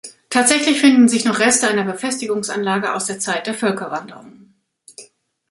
Tatsächlich finden sich noch Reste einer Befestigungsanlage aus der Zeit der Völkerwanderung.